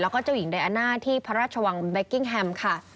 แล้วก็เจ้าหญิงไดอาน่าที่พระราชวังเบกกิ้งแฮมค่ะ